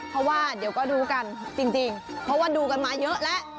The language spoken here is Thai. เพราะว่าเดี๋ยวก็ดูกันจริงเพราะว่าดูกันมาเยอะแล้ว